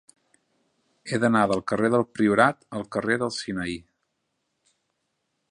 He d'anar del carrer del Priorat al carrer del Sinaí.